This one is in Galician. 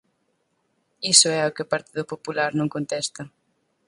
Iso é ao que o Partido Popular non contesta.